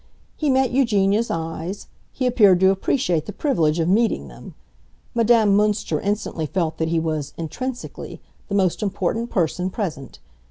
He met Eugenia's eyes; he appeared to appreciate the privilege of meeting them. Madame Münster instantly felt that he was, intrinsically, the most important person present.